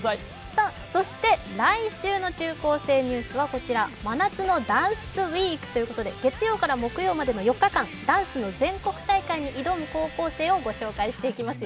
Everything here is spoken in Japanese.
そして来週の「中高生ニュース」はこちら、真夏のダンスＷＥＥＫということで月曜から木曜までの４日間、ダンスの全国大会に挑む高校生たちを取材します。